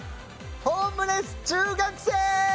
『ホームレス中学生』！